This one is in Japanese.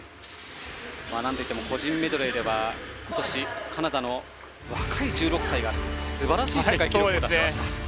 個人メドレーでは今年カナダの若い１６歳がすばらしい世界記録を出しました。